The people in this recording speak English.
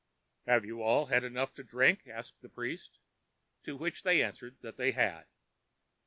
ãHave you all had enough to drink?ã asked the priest; to which they answered that they had.